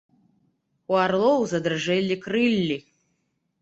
У арлоў задрыжэлі крыллі.